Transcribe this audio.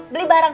beli banyak aja